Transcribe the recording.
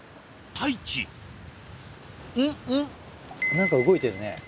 何か動いてるね。